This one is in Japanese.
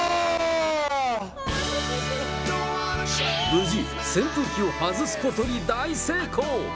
無事、扇風機を外すことに大成功！